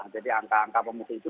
jadi angka angka pemudik itu